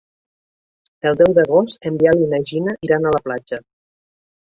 El deu d'agost en Biel i na Gina iran a la platja.